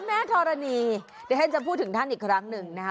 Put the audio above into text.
พระแม่โทรณีให้ตรงนี้จะพูดถึงท่านอีกครั้งหนึ่งนะครับ